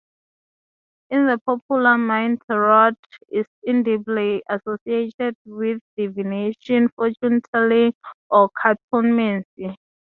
In the popular mind tarot is indelibly associated with divination, fortune telling, or cartomancy.